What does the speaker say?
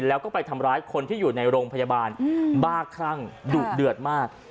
แล้วก็ไปทำร้ายคนที่อยู่ในโรงพยาบาลบ้าคลั่งดุเดือดมาก